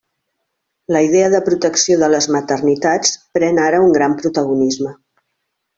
La idea de protecció de les maternitats pren ara un gran protagonisme.